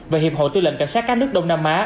và hiệp hội tư lệnh cảnh sát các nước đông nam á